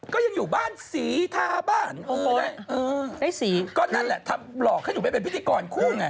ก็นั่นแหละทำหลอกให้อยู่ไปเป็นพิธีกรคู่ไง